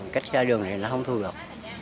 cách xa đường thì nó không thu được